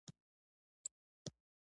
حال مې بيخي هماغه شى و چې د حملې پر وخت و.